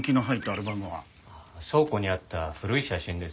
倉庫にあった古い写真です。